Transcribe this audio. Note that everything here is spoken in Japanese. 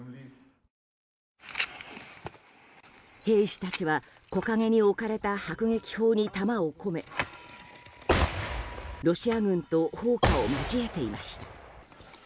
兵士たちは木陰に置かれた迫撃砲に弾を込めロシア軍と砲火を交えていました。